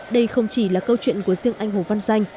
đây không chỉ là câu chuyện của riêng anh hồ văn danh